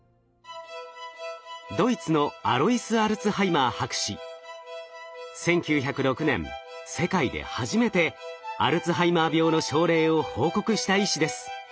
ドイツの１９０６年世界で初めてアルツハイマー病の症例を報告した医師です。